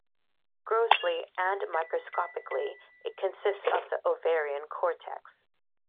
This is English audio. Grossly and microscopically, it consists of the ovarian cortex.